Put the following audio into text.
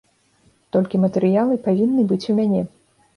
Толькі матэрыялы павінны быць у мяне.